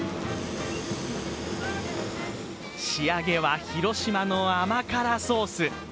仕上げは広島の甘辛ソース。